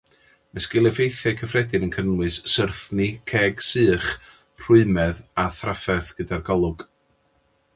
Mae sgîl-effeithiau cyffredin yn cynnwys syrthni, ceg sych, rhwymedd, a thrafferth gyda'r golwg.